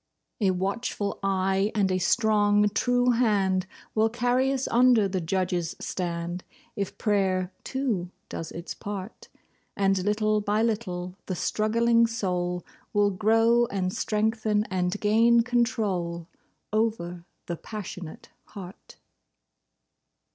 A watchful eye and a strong, true hand Will carry us under the Judge's stand, If prayer, too, does its part; And little by little the struggling soul Will grow and strengthen and gain control Over the passionate heart.